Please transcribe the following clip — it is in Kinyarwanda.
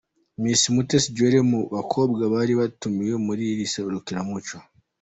Miss Mutesi Jolly mu bakobwa bari batumiwe muri iri serukiramuco.